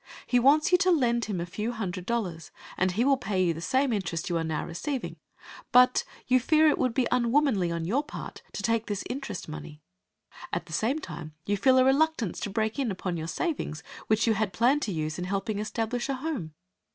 He wants you to lend him a few hundred dollars, and he will pay you the same interest you are now receiving, but you fear it would be unwomanly on your part to take this interest money. At the same time you feel a reluctance to break in upon your savings, which you had planned to use in helping establish a home.